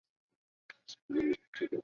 局部场电位是一类特殊的电生理信号。